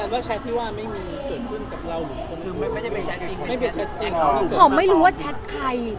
คุณพ่อเชื่อว่าไม่มีใช้สิ้น